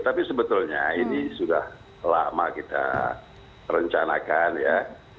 tapi sebetulnya ini sudah lama kita rencanakan ya